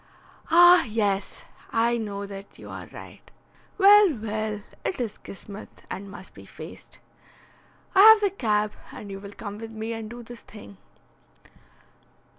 "Ah, yes, I know that you are right. Well, well, it is kismet, and must be faced. I have the cab, and you will come with me and do this thing."